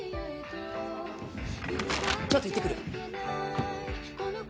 ちょっと行ってくる。